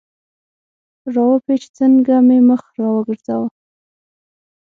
را و پېچ، څنګه مې مخ را وګرځاوه.